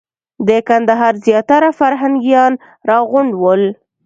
د کندهار زیاتره فرهنګیان راغونډ ول.